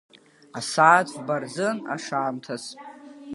Асааҭ фба рзын ашамҭаз.